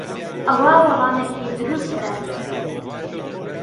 ئەوە وەڵامێکی دروستە.